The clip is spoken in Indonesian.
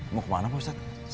mau kemana pak ustadz